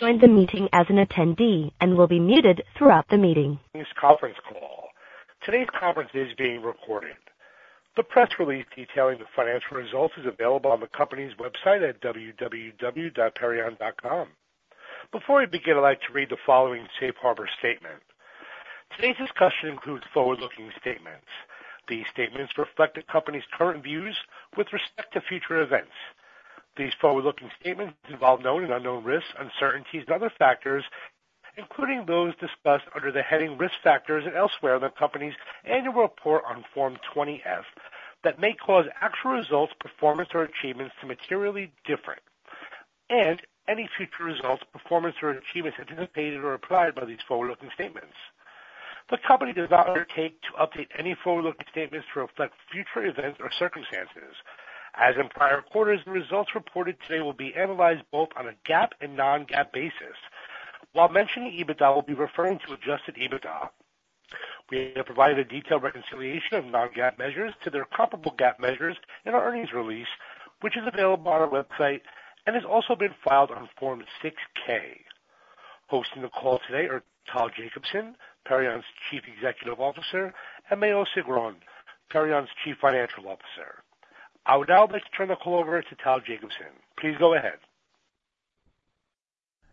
Join the meeting as an attendee and will be muted throughout the meeting. Earnings conference call. Today's conference is being recorded. The press release detailing the financial results is available on the company's website at www.perion.com. Before we begin, I'd like to read the following safe harbor statement. Today's discussion includes forward-looking statements. These statements reflect the company's current views with respect to future events. These forward-looking statements involve known and unknown risks, uncertainties, and other factors, including those discussed under the heading Risk Factors and elsewhere in the company's annual report on Form 20-F, that may cause actual results, performance, or achievements to materially different, and any future results, performance, or achievements anticipated or applied by these forward-looking statements. The company does not undertake to update any forward-looking statements to reflect future events or circumstances. As in prior quarters, the results reported today will be analyzed both on a GAAP and non-GAAP basis. While mentioning EBITDA, we'll be referring to adjusted EBITDA. We have provided a detailed reconciliation of Non-GAAP measures to their comparable GAAP measures in our earnings release, which is available on our website and has also been filed on Form 6-K. Hosting the call today are Tal Jacobson, Perion's Chief Executive Officer, and Maoz Sigron, Perion's Chief Financial Officer. I would now like to turn the call over to Tal Jacobson. Please go ahead.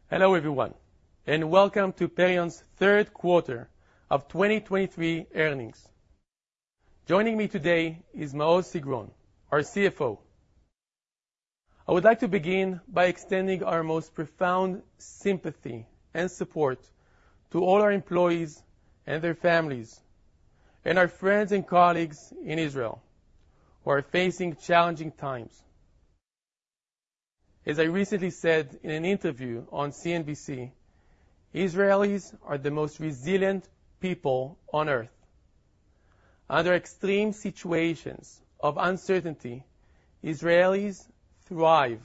Hello, everyone, and welcome to Perion's third quarter of 2023 earnings. Joining me today is Maoz Sigron, our CFO. I would like to begin by extending our most profound sympathy and support to all our employees and their families and our friends and colleagues in Israel who are facing challenging times. As I recently said in an interview on CNBC, Israelis are the most resilient people on Earth. Under extreme situations of uncertainty, Israelis thrive,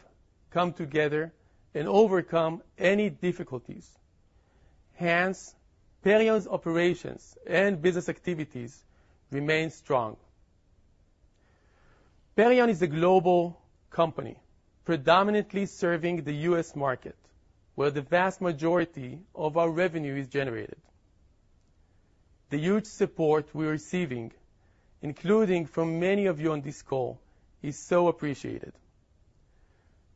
come together, and overcome any difficulties. Hence, Perion's operations and business activities remain strong. Perion is a global company, predominantly serving the U.S. market, where the vast majority of our revenue is generated. The huge support we are receiving, including from many of you on this call, is so appreciated.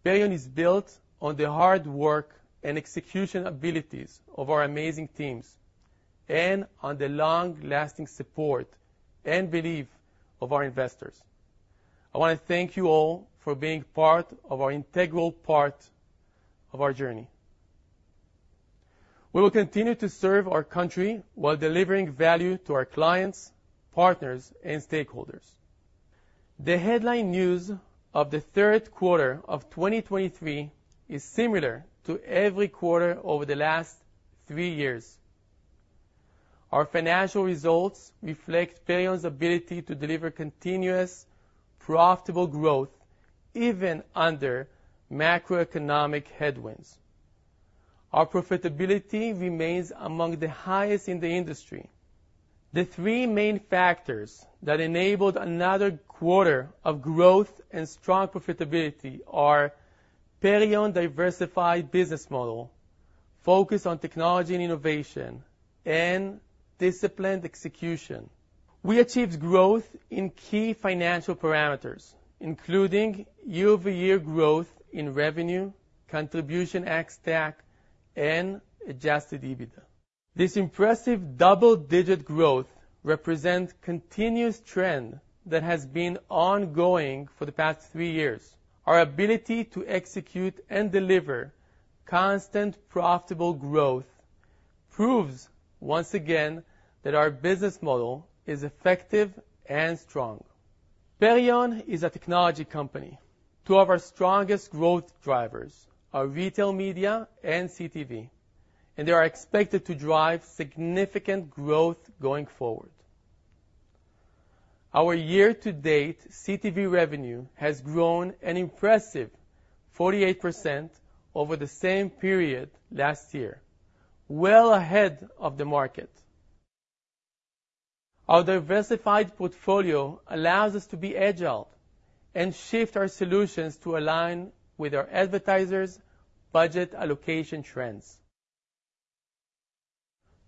Perion is built on the hard work and execution abilities of our amazing teams and on the long-lasting support and belief of our investors. I wanna thank you all for being part of our integral part of our journey. We will continue to serve our country while delivering value to our clients, partners, and stakeholders. The headline news of the third quarter of 2023 is similar to every quarter over the last three years. Our financial results reflect Perion's ability to deliver continuous, profitable growth, even under macroeconomic headwinds. Our profitability remains among the highest in the industry. The three main factors that enabled another quarter of growth and strong profitability are Perion diversified business model, focused on technology and innovation, and disciplined execution. We achieved growth in key financial parameters, including year-over-year growth in revenue, contribution ex-TAC, and Adjusted EBITDA. This impressive double-digit growth represents continuous trend that has been ongoing for the past three years. Our ability to execute and deliver constant, profitable growth proves, once again, that our business model is effective and strong. Perion is a technology company. Two of our strongest growth drivers are retail media and CTV, and they are expected to drive significant growth going forward. Our year-to-date CTV revenue has grown an impressive 48% over the same period last year, well ahead of the market. Our diversified portfolio allows us to be agile and shift our solutions to align with our advertisers' budget allocation trends.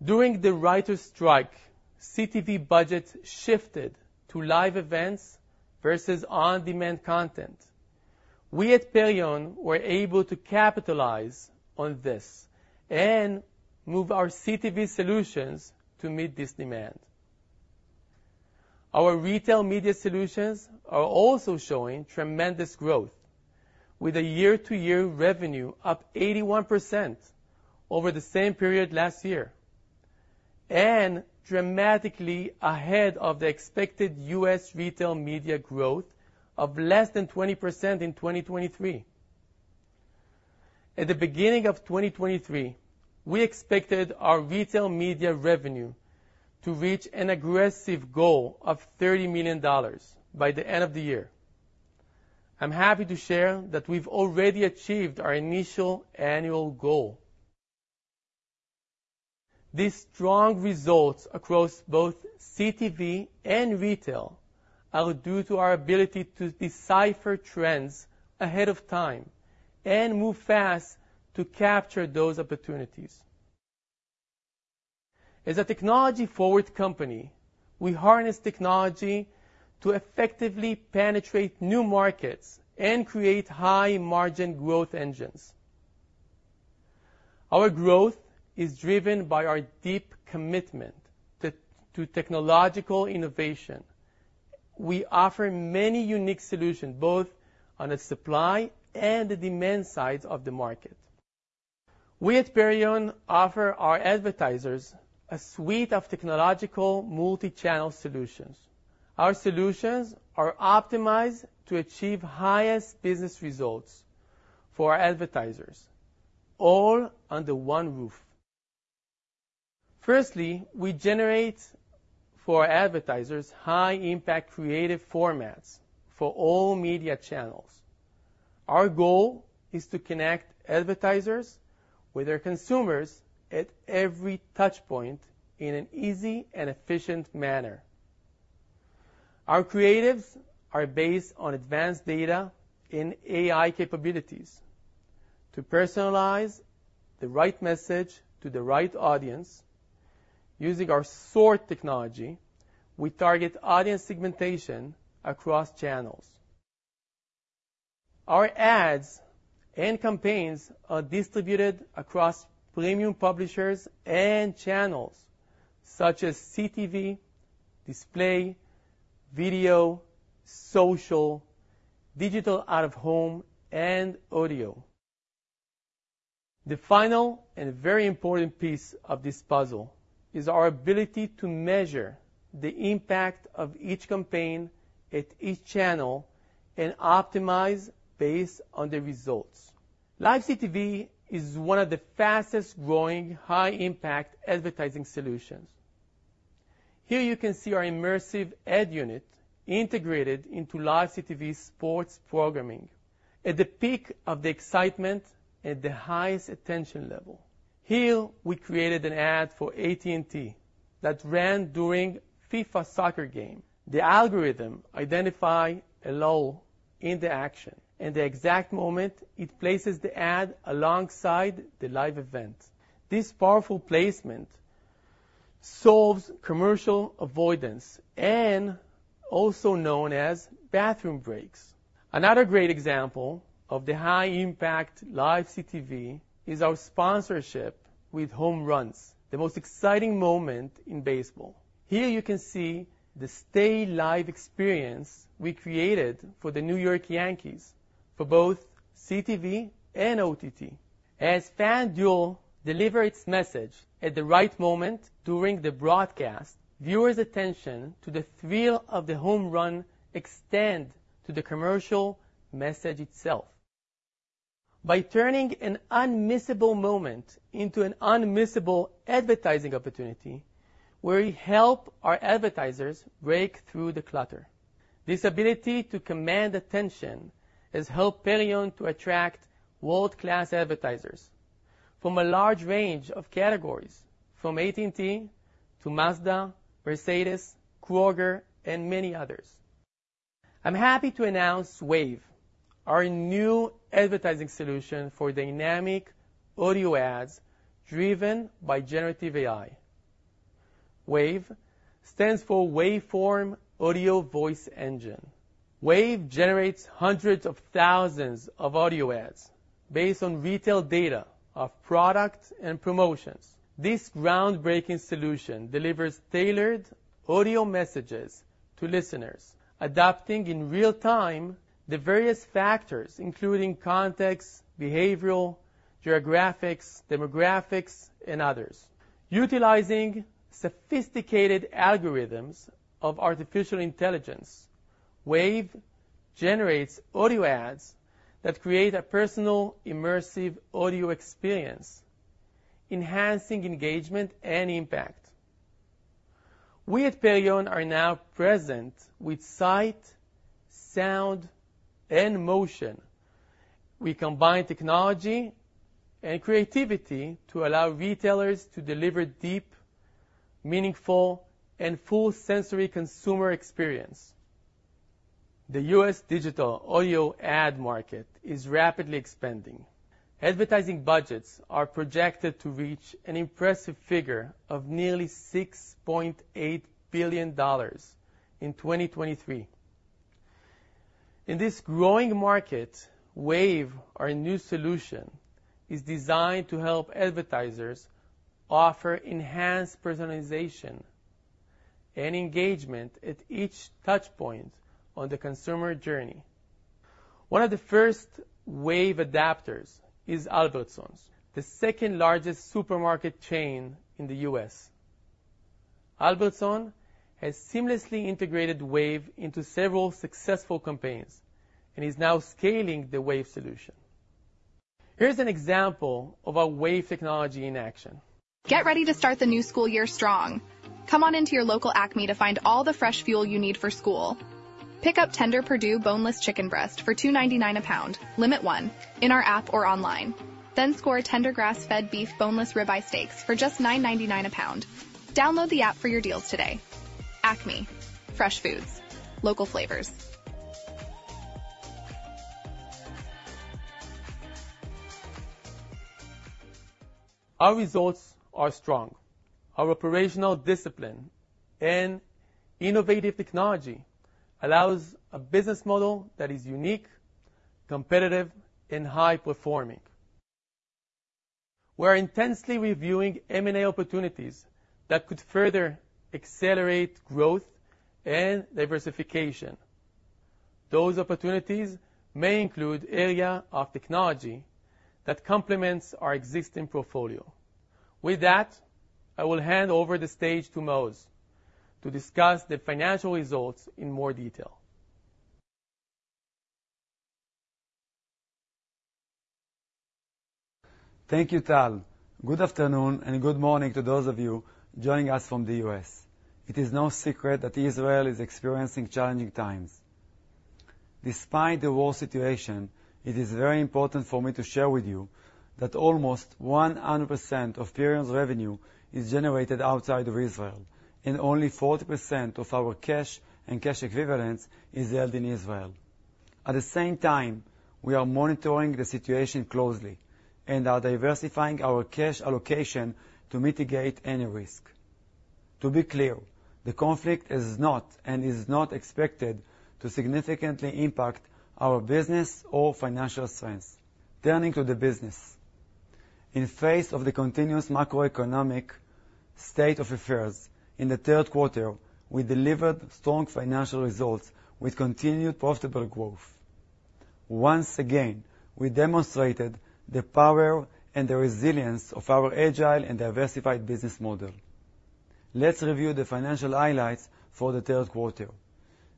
During the writers' strike, CTV budgets shifted to live events versus on-demand content. We, at Perion, were able to capitalize on this and move our CTV solutions to meet this demand. Our retail media solutions are also showing tremendous growth, with a year-to-year revenue up 81% over the same period last year, and dramatically ahead of the expected U.S. retail media growth of less than 20% in 2023. At the beginning of 2023, we expected our retail media revenue to reach an aggressive goal of $30 million by the end of the year. I'm happy to share that we've already achieved our initial annual goal. These strong results across both CTV and retail media are due to our ability to decipher trends ahead of time and move fast to capture those opportunities. As a technology-forward company, we harness technology to effectively penetrate new markets and create high-margin growth engines. Our growth is driven by our deep commitment to technological innovation. We offer many unique solutions, both on the supply and the demand sides of the market. We at Perion offer our advertisers a suite of technological multi-channel solutions. Our solutions are optimized to achieve highest business results for our advertisers, all under one roof. Firstly, we generate, for our advertisers, high-impact creative formats for all media channels. Our goal is to connect advertisers with their consumers at every touch point in an easy and efficient manner. Our creatives are based on advanced data in AI capabilities. To personalize the right message to the right audience, using our SORT technology, we target audience segmentation across channels. Our ads and campaigns are distributed across premium publishers and channels such as CTV, display, video, social, digital out-of-home, and audio. The final and very important piece of this puzzle is our ability to measure the impact of each campaign at each channel and optimize based on the results. Live CTV is one of the fastest-growing, high-impact advertising solutions. Here you can see our immersive ad unit integrated into live CTV sports programming at the peak of the excitement, at the highest attention level. Here, we created an ad for AT&T that ran during FIFA soccer game. The algorithm identify a lull in the action, and the exact moment, it places the ad alongside the live event. This powerful placement solves commercial avoidance and also known as bathroom breaks. Another great example of the high-impact live CTV is our sponsorship with home runs, the most exciting moment in baseball. Here you can see the Stay Live experience we created for the New York Yankees for both CTV and OTT. As FanDuel deliver its message at the right moment during the broadcast, viewers' attention to the thrill of the home run extend to the commercial message itself. By turning an unmissable moment into an unmissable advertising opportunity, we help our advertisers break through the clutter. This ability to command attention has helped Perion to attract world-class advertisers from a large range of categories, from AT&T to Mazda, Mercedes, Kroger, and many others. I'm happy to announce WAVE, our new advertising solution for dynamic audio ads driven by generative AI. WAVE stands for WAVEform Audio Voice Engine. WAVE generates hundreds of thousands of audio ads based on retail data of products and promotions. This groundbreaking solution delivers tailored audio messages to listeners, adapting in real time the various factors, including context, behavioral, geographics, demographics, and others. Utilizing sophisticated algorithms of artificial intelligence, WAVE generates audio ads that create a personal, immersive audio experience, enhancing engagement and impact. We at Perion are now present with sight, sound, and motion. We combine technology and creativity to allow retailers to deliver deep, meaningful, and full sensory consumer experience. The U.S. digital audio ad market is rapidly expanding. Advertising budgets are projected to reach an impressive figure of nearly $6.8 billion in 2023. In this growing market, WAVE, our new solution, is designed to help advertisers offer enhanced personalization and engagement at each touch point on the consumer journey. One of the first WAVE adopters is Albertsons, the second-largest supermarket chain in the U.S. Albertsons has seamlessly integrated WAVE into several successful campaigns and is now scaling the WAVE solution. Here's an example of our WAVE technology in action. Get ready to start the new school year strong. Come on in to your local Acme to find all the fresh fuel you need for school... Pick up tender Perdue boneless chicken breast for $2.99 a pound, limit one, in our app or online. Then score tender grass-fed beef boneless ribeye steaks for just $9.99 a pound. Download the app for your deals today. Acme, fresh foods, local flavors. Our results are strong. Our operational discipline and innovative technology allows a business model that is unique, competitive, and high-performing. We're intensely reviewing M&A opportunities that could further accelerate growth and diversification. Those opportunities may include area of technology that complements our existing portfolio. With that, I will hand over the stage to Maoz to discuss the financial results in more detail. Thank you, Tal. Good afternoon, and good morning to those of you joining us from the U.S. It is no secret that Israel is experiencing challenging times. Despite the war situation, it is very important for me to share with you that almost 100% of Perion's revenue is generated outside of Israel, and only 40% of our cash and cash equivalents is held in Israel. At the same time, we are monitoring the situation closely and are diversifying our cash allocation to mitigate any risk. To be clear, the conflict is not and is not expected to significantly impact our business or financial strength. Turning to the business. In face of the continuous macroeconomic state of affairs, in the third quarter, we delivered strong financial results with continued profitable growth. Once again, we demonstrated the power and the resilience of our agile and diversified business model. Let's review the financial highlights for the third quarter.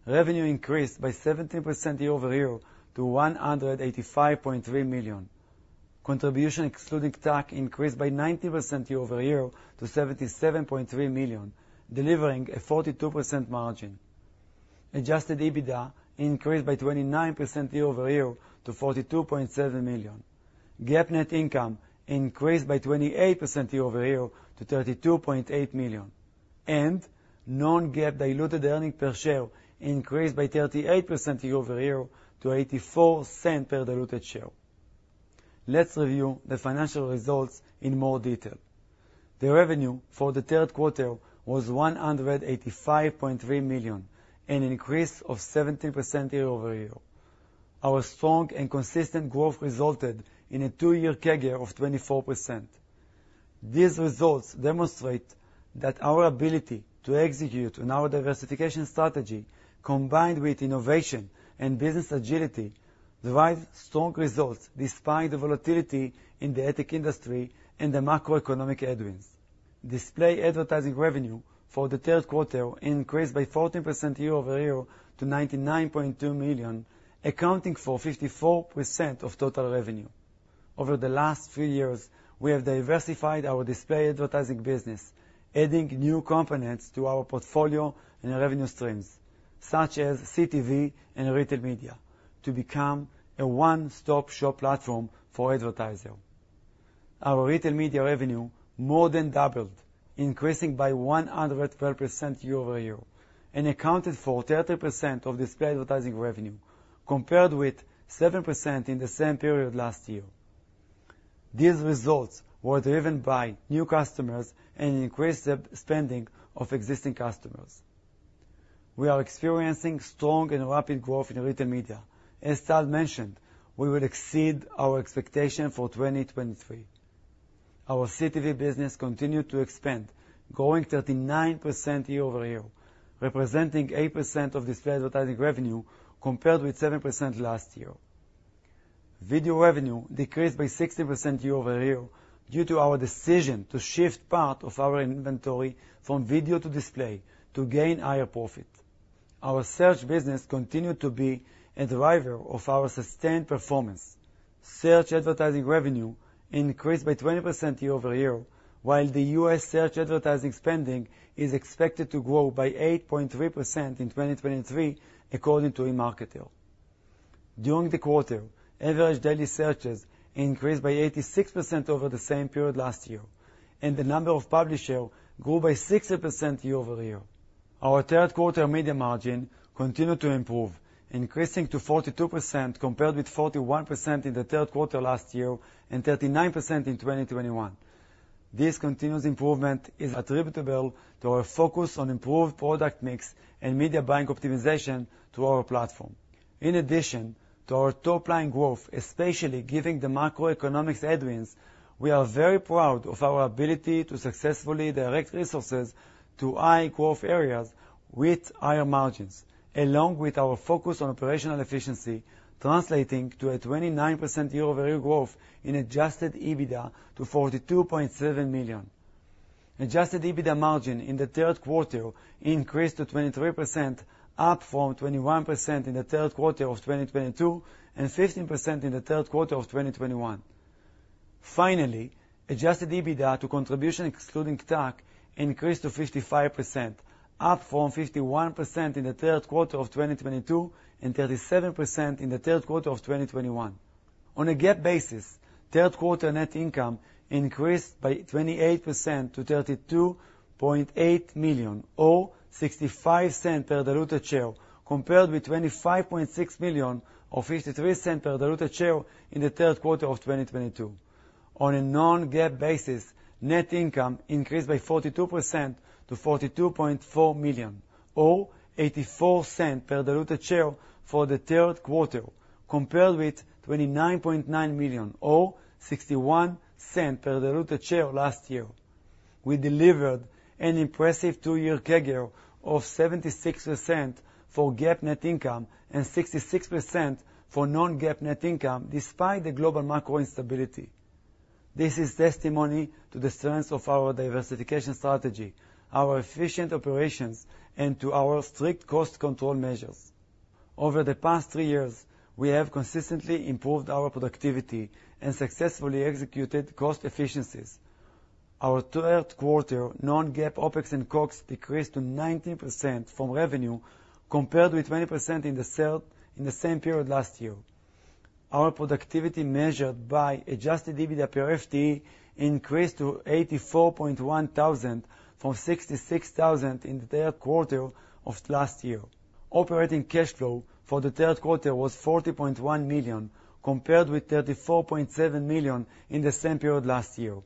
Revenue increased by 17% year-over-year to $185.3 million. Contribution ex-TAC increased by 19% year-over-year to $77.3 million, delivering a 42% margin. Adjusted EBITDA increased by 29% year-over-year to $42.7 million. GAAP net income increased by 28% year-over-year to $32.8 million, and non-GAAP diluted earnings per share increased by 38% year-over-year to $0.84 per diluted share. Let's review the financial results in more detail. The revenue for the third quarter was $185.3 million, an increase of 17% year-over-year. Our strong and consistent growth resulted in a two-year CAGR of 24%. These results demonstrate that our ability to execute on our diversification strategy, combined with innovation and business agility, drive strong results despite the volatility in the ad tech industry and the macroeconomic headwinds. Display advertising revenue for the third quarter increased by 14% year-over-year to $99.2 million, accounting for 54% of total revenue. Over the last few years, we have diversified our display advertising business, adding new components to our portfolio and revenue streams, such as CTV and retail media, to become a one-stop-shop platform for advertisers. Our retail media revenue more than doubled, increasing by 112% year-over-year, and accounted for 30% of display advertising revenue, compared with 7% in the same period last year. These results were driven by new customers and increased spending of existing customers. We are experiencing strong and rapid growth in retail media. As Tal mentioned, we will exceed our expectation for 2023. Our CTV business continued to expand, growing 39% year-over-year, representing 8% of display advertising revenue, compared with 7% last year. Video revenue decreased by 60% year-over-year due to our decision to shift part of our inventory from video to display to gain higher profit. Our search business continued to be a driver of our sustained performance. Search advertising revenue increased by 20% year-over-year, while the U.S. search advertising spending is expected to grow by 8.3% in 2023, according to eMarketer. During the quarter, average daily searches increased by 86% over the same period last year, and the number of publishers grew by 60% year-over-year. Our third quarter media margin continued to improve, increasing to 42%, compared with 41% in the third quarter last year and 39% in 2021. This continuous improvement is attributable to our focus on improved product mix and media buying optimization through our platform. In addition to our top-line growth, especially given the macroeconomics headwinds, we are very proud of our ability to successfully direct resources to high-growth areas with higher margins, along with our focus on operational efficiency, translating to a 29% year-over-year growth in adjusted EBITDA to $42.7 million. Adjusted EBITDA margin in the third quarter increased to 23%, up from 21% in the third quarter of 2022 and 15% in the third quarter of 2021. Finally, adjusted EBITDA to contribution excluding TAC increased to 55%, up from 51% in the third quarter of 2022, and 37% in the third quarter of 2021. On a GAAP basis, third quarter net income increased by 28% to $32.8 million, or $0.65 per diluted share, compared with $25.6 million, or $0.53 per diluted share in the third quarter of 2022. On a non-GAAP basis, net income increased by 42% to $42.4 million, or $0.84 per diluted share for the third quarter, compared with $29.9 million, or $0.61 per diluted share last year. We delivered an impressive two-year CAGR of 76% for GAAP net income and 66% for non-GAAP net income, despite the global macro instability. This is testimony to the strength of our diversification strategy, our efficient operations, and to our strict cost control measures. Over the past three years, we have consistently improved our productivity and successfully executed cost efficiencies. Our third quarter non-GAAP OpEx and COGS decreased to 19% of revenue, compared with 20% in the same period last year. Our productivity, measured by adjusted EBITDA per FTE, increased to $84,100 from $66,000 in the third quarter of last year. Operating cash flow for the third quarter was $40.1 million, compared with $34.7 million in the same period last year.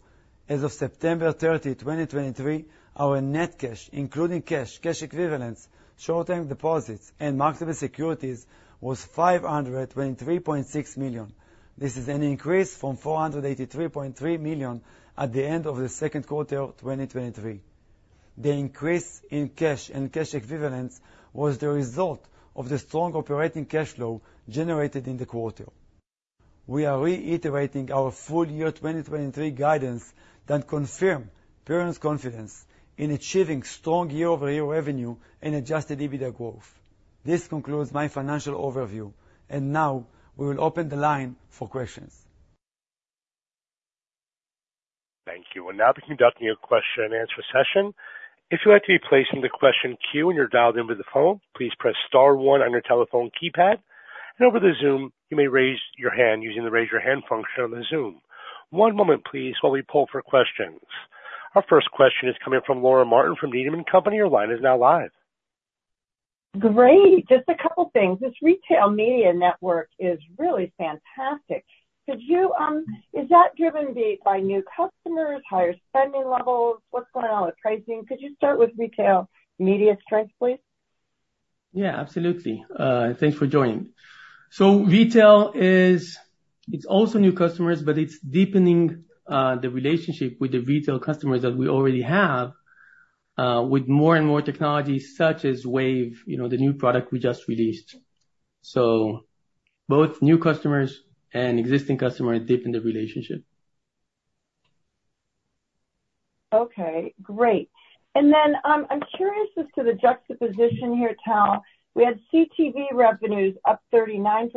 As of September 30, 2023, our net cash, including cash, cash equivalents, short-term deposits, and marketable securities, was $523.6 million. This is an increase from $483.3 million at the end of the second quarter of 2023. The increase in cash and cash equivalents was the result of the strong operating cash flow generated in the quarter. We are reiterating our full year 2023 guidance that confirm Perion's confidence in achieving strong year-over-year revenue and Adjusted EBITDA growth. This concludes my financial overview, and now we will open the line for questions. Thank you. We'll now be conducting a question and answer session. If you'd like to be placed in the question queue when you're dialed in with the phone, please press star one on your telephone keypad, and over the Zoom, you may raise your hand using the Raise Your Hand function on the Zoom. One moment please, while we pull for questions. Our first question is coming from Laura Martin from Needham & Company. Your line is now live. Great. Just a couple things. This retail media network is really fantastic. Could you, Is that driven by new customers, higher spending levels? What's going on with pricing? Could you start with retail media strength, please? Yeah, absolutely. Thanks for joining. So retail is... It's also new customers, but it's deepening the relationship with the retail customers that we already have with more and more technologies such as WAVE, you know, the new product we just released. So both new customers and existing customers deepen the relationship. Okay, great. And then, I'm curious as to the juxtaposition here, Tal. We had CTV revenues up 39%,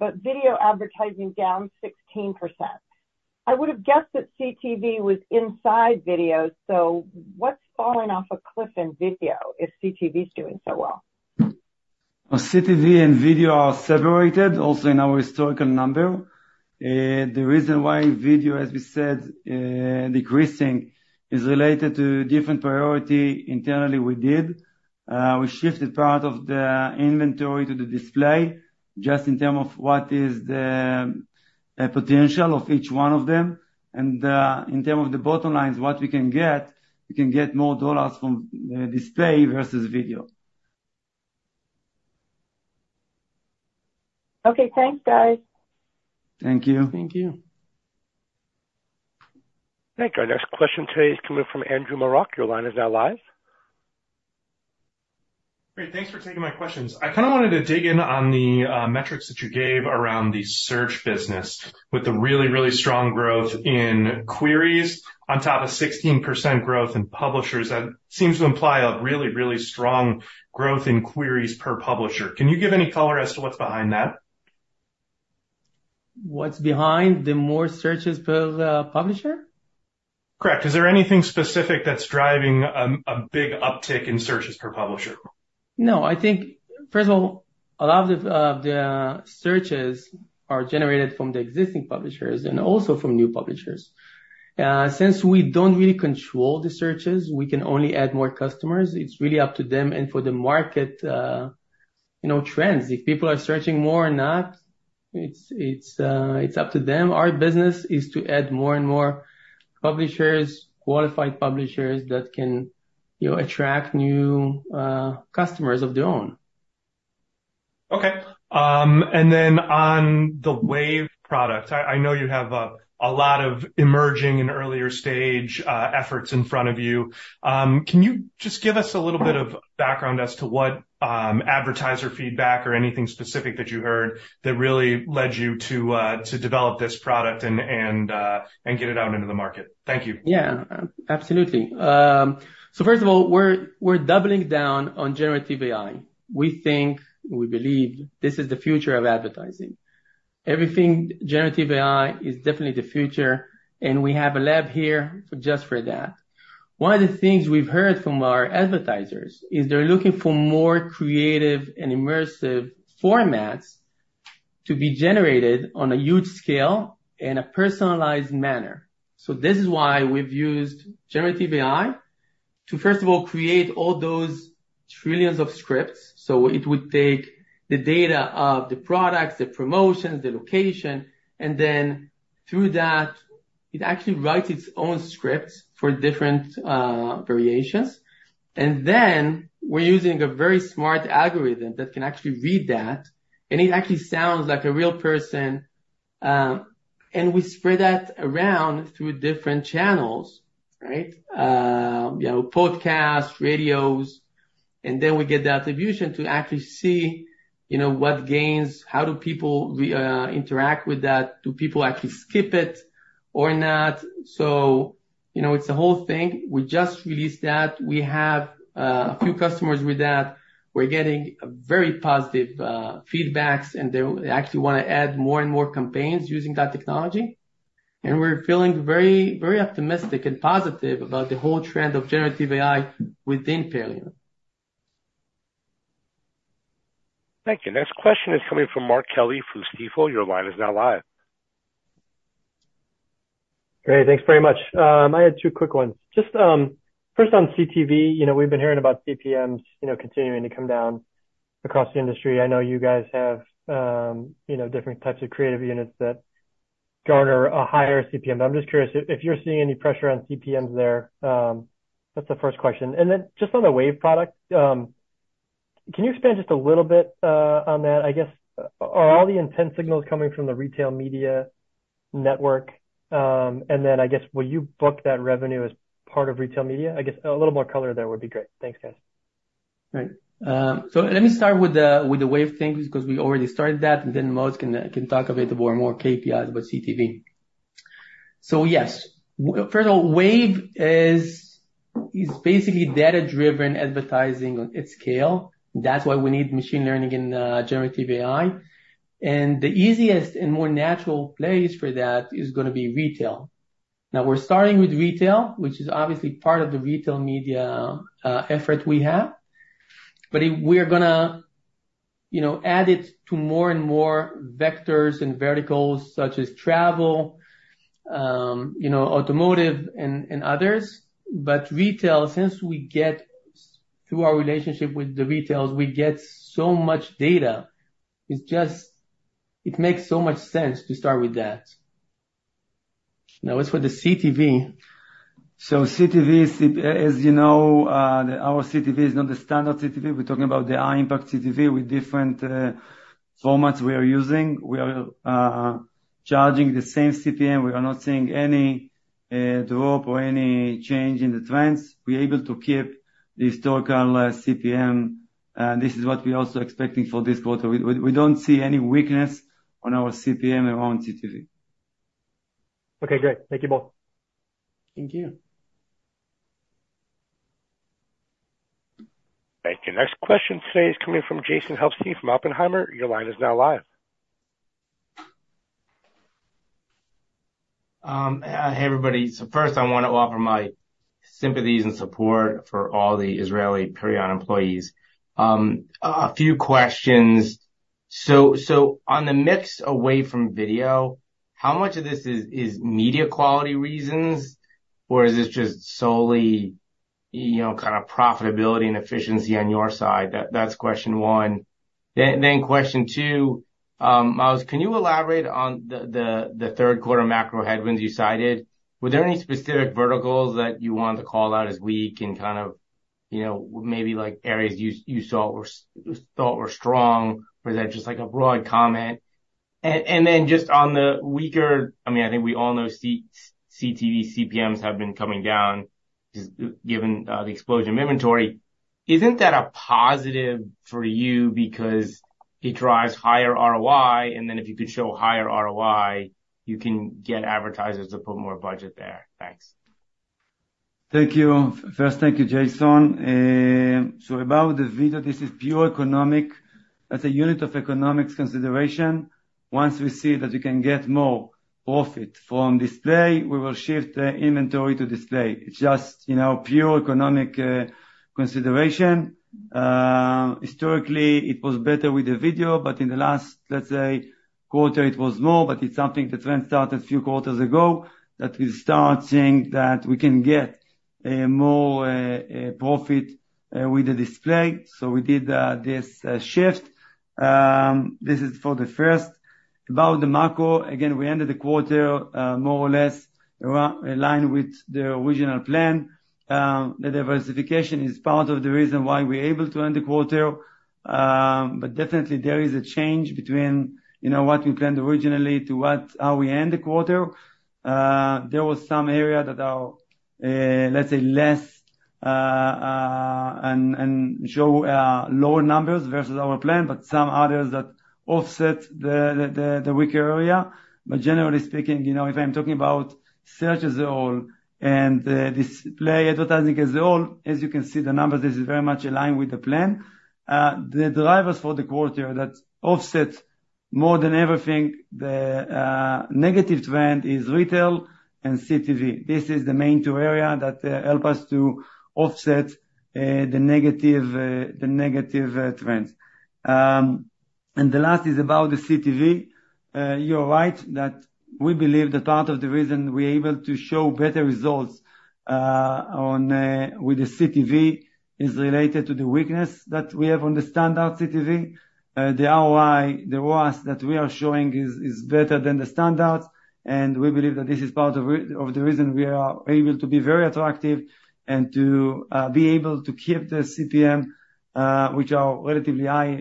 but video advertising down 16%. I would have guessed that CTV was inside video, so what's falling off a cliff in video if CTV's doing so well? Well, CTV and video are separated, also in our historical number. The reason why video, as we said, decreasing, is related to different priority internally we did. We shifted part of the inventory to the display just in term of what is the potential of each one of them. And, in term of the bottom line, is what we can get, we can get more dollars from display versus video. Okay. Thanks, guys. Thank you. Thank you. Thank you. Our next question today is coming from Andrew Marok. Your line is now live. Great, thanks for taking my questions. I kind of wanted to dig in on the metrics that you gave around the search business, with the really, really strong growth in queries on top of 16% growth in publishers. That seems to imply a really, really strong growth in queries per publisher. Can you give any color as to what's behind that? What's behind the more searches per publisher? Correct. Is there anything specific that's driving a big uptick in searches per publisher? No. I think, first of all, a lot of the searches are generated from the existing publishers and also from new publishers. Since we don't really control the searches, we can only add more customers, it's really up to them. And for the market, you know, trends, if people are searching more or not, it's up to them. Our business is to add more and more publishers, qualified publishers, that can, you know, attract new customers of their own. Okay. And then on the WAVE product, I know you have a lot of emerging and earlier stage efforts in front of you. Can you just give us a little bit of background as to what advertiser feedback or anything specific that you heard that really led you to develop this product and get it out into the market? Thank you. Yeah, absolutely. So first of all, we're doubling down on generative AI. We think, we believe this is the future of advertising.... everything generative AI is definitely the future, and we have a lab here just for that. One of the things we've heard from our advertisers is they're looking for more creative and immersive formats to be generated on a huge scale in a personalized manner. So this is why we've used generative AI to, first of all, create all those trillions of scripts. So it would take the data of the products, the promotions, the location, and then through that, it actually writes its own scripts for different variations. And then we're using a very smart algorithm that can actually read that, and it actually sounds like a real person, and we spread that around through different channels, right? You know, podcasts, radios, and then we get the attribution to actually see, you know, what gains, how do people interact with that? Do people actually skip it or not? So, you know, it's a whole thing. We just released that. We have a few customers with that. We're getting very positive feedback, and they actually wanna add more and more campaigns using that technology. And we're feeling very, very optimistic and positive about the whole trend of generative AI within Perion. Thank you. Next question is coming from Mark Kelley from Stifel. Your line is now live. Great, thanks very much. I had two quick ones. Just first, on CTV. You know, we've been hearing about CPMs, you know, continuing to come down across the industry. I know you guys have, you know, different types of creative units that garner a higher CPM. But I'm just curious if you're seeing any pressure on CPMs there. That's the first question. And then just on the WAVE product, can you expand just a little bit on that? I guess, are all the intent signals coming from the retail media network? And then I guess, will you book that revenue as part of retail media? I guess a little more color there would be great. Thanks, guys. Right. So let me start with the WAVE thing, because we already started that, and then Maoz can talk a bit more KPIs about CTV. So yes, first of all, WAVE is basically data-driven advertising on its scale. That's why we need machine learning and generative AI. And the easiest and more natural place for that is gonna be retail. Now, we're starting with retail, which is obviously part of the retail media effort we have, but we're gonna, you know, add it to more and more vectors and verticals such as travel, you know, automotive and others. But retail, since we get through our relationship with the retailers, we get so much data, it's just... It makes so much sense to start with that. Now, as for the CTV, so CTV, C... As you know, our CTV is not the standard CTV. We're talking about the high impact CTV with different formats we are using. We are charging the same CPM. We are not seeing any drop or any change in the trends. We are able to keep the historical CPM, and this is what we're also expecting for this quarter. We don't see any weakness on our CPM around CTV. Okay, great. Thank you both. Thank you. Thank you. Next question today is coming from Jason Helfstein from Oppenheimer. Your line is now live. Hey, everybody. So first, I want to offer my sympathies and support for all the Israeli Perion employees. A few questions. So on the mix away from video, how much of this is media quality reasons, or is this just solely, you know, kind of profitability and efficiency on your side? That's question one. Then question two, Maoz, can you elaborate on the third quarter macro headwinds you cited? Were there any specific verticals that you wanted to call out as weak and kind of, you know, maybe like areas you thought were strong, or is that just like a broad comment? Then just on the weaker... I mean, I think we all know CTV CPMs have been coming down just given the explosion of inventory. Isn't that a positive for you because it drives higher ROI, and then if you could show higher ROI, you can get advertisers to put more budget there? Thanks. Thank you. First, thank you, Jason. So about the video, this is pure economic. That's a unit of economics consideration. Once we see that we can get more profit from display, we will shift the inventory to display. It's just, you know, pure economic consideration. Historically, it was better with the video, but in the last, let's say, quarter, it was more, but it's something the trend started a few quarters ago, that we start seeing that we can get more profit with the display, so we did this shift. This is for the first. About the macro, again, we ended the quarter more or less around in line with the original plan. The diversification is part of the reason why we're able to end the quarter. But definitely there is a change between, you know, what we planned originally to what, how we end the quarter. There was some area that are, let's say, less and show lower numbers versus our plan, but some others that offset the weaker area. But generally speaking, you know, if I'm talking about search as a whole and the display advertising as a whole, as you can see, the numbers is very much in line with the plan. The drivers for the quarter that offset more than everything, the negative trend is retail and CTV. This is the main two area that help us to offset the negative trends. The last is about the CTV. You're right, that we believe that part of the reason we're able to show better results on with the CTV is related to the weakness that we have on the standard CTV. The ROI, the ROAS that we are showing is better than the standards, and we believe that this is part of the reason we are able to be very attractive and to be able to keep the CPM, which are relatively high,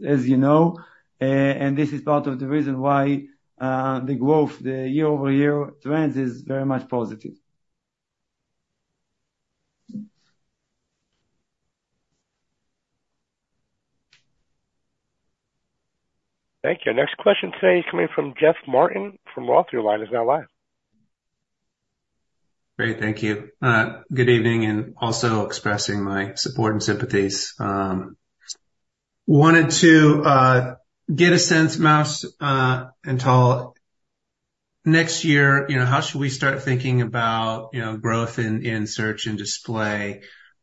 as you know, and this is part of the reason why the growth, the year-over-year trends is very much positive. Thank you. Next question today coming from Jeff Martin from Rothschild is now live. Great, thank you. Good evening, and also expressing my support and sympathies. Wanted to get a sense, Maoz, and Tal, next year, you know, how should we start thinking about, you know, growth in search and display?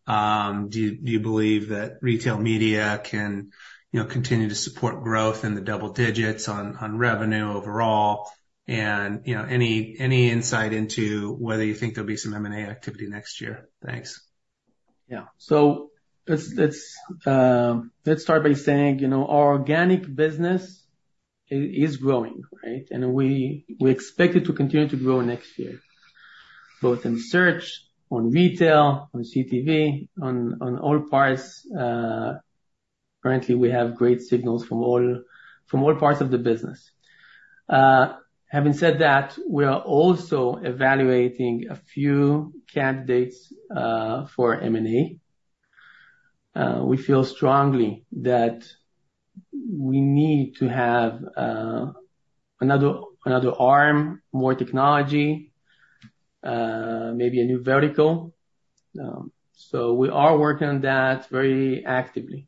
Do you believe that retail media can, you know, continue to support growth in the double digits on revenue overall? And, you know, any insight into whether you think there'll be some M&A activity next year? Thanks. Yeah. So let's start by saying, you know, our organic business is growing, right? And we expect it to continue to grow next year, both in search, on retail, on CTV, on all parts. Currently, we have great signals from all parts of the business. Having said that, we are also evaluating a few candidates for M&A. We feel strongly that we need to have another arm, more technology, maybe a new vertical. So we are working on that very actively.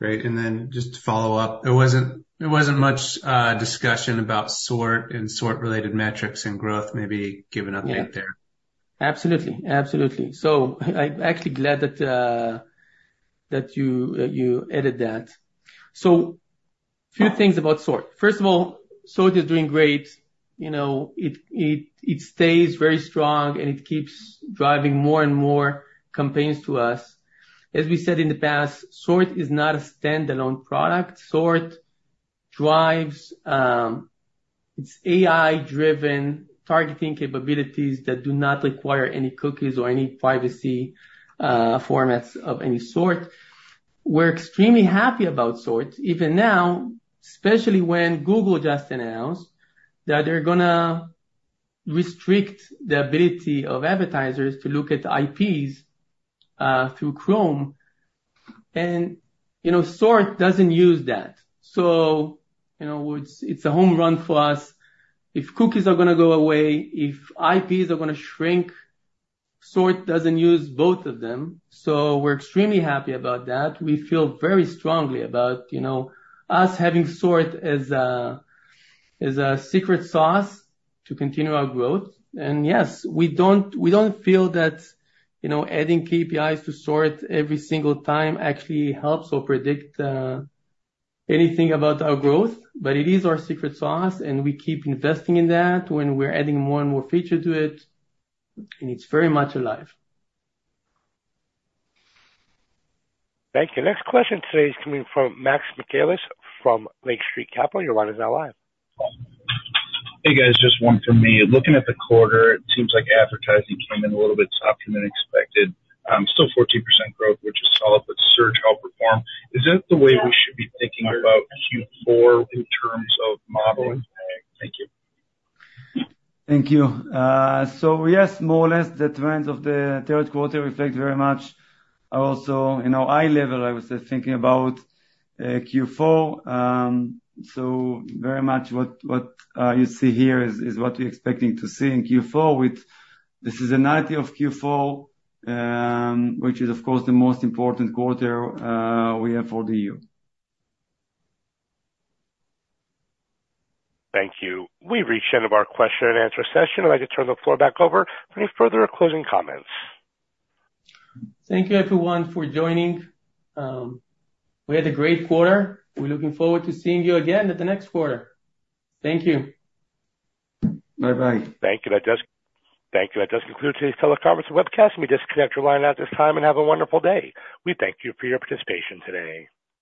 Great. And then just to follow up, there wasn't much discussion about SORT and SORT-related metrics and growth. Maybe give an update there. Yeah. Absolutely. Absolutely. So I'm actually glad that you added that. So a few things about SORT. First of all, SORT is doing great. You know, it stays very strong, and it keeps driving more and more campaigns to us. As we said in the past, SORT is not a standalone product. SORT drives. It's AI-driven targeting capabilities that do not require any cookies or any privacy formats of any sort. We're extremely happy about SORT, even now, especially when Google just announced that they're gonna restrict the ability of advertisers to look at IPs through Chrome. And, you know, SORT doesn't use that. So, you know, it's a home run for us. If cookies are gonna go away, if IPs are gonna shrink, SORT doesn't use both of them, so we're extremely happy about that. We feel very strongly about, you know, us having SORT as a, as a secret sauce to continue our growth. And yes, we don't, we don't feel that, you know, adding KPIs to SORT every single time actually helps or predict anything about our growth. But it is our secret sauce, and we keep investing in that, when we're adding more and more feature to it, and it's very much alive. Thank you. Next question today is coming from Max Michaelis from Lake Street Capital. Your line is now live. Hey, guys, just one from me. Looking at the quarter, it seems like advertising came in a little bit softer than expected. Still 14% growth, which is solid, but search outperformed. Is that the way we should be thinking about Q4 in terms of modeling? Thank you. Thank you. So yes, more or less, the trends of the third quarter reflect very much. Also, you know, high level, I was thinking about Q4. So very much what you see here is what we're expecting to see in Q4 with the seasonality of Q4, which is of course the most important quarter we have for the year. Thank you. We've reached the end of our question and answer session. I'd like to turn the floor back over. Any further or closing comments? Thank you, everyone, for joining. We had a great quarter. We're looking forward to seeing you again at the next quarter. Thank you. Bye-bye. Thank you. That does conclude today's teleconference webcast. You may disconnect your line at this time and have a wonderful day. We thank you for your participation today.